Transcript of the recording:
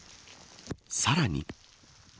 さらに。